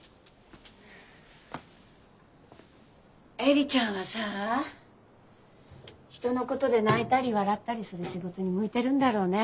恵里ちゃんはさ人のことで泣いたり笑ったりする仕事に向いてるんだろうね。